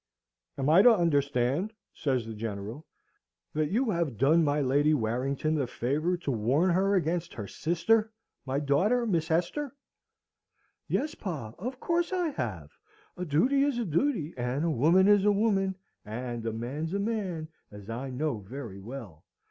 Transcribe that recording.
"Am I to understand," says the General, "that you have done my Lady Warrington the favour to warn her against her sister, my daughter Miss Hester?" "Yes, pa, of course I have. A duty is a duty, and a woman is a woman, and a man's a man, as I know very well.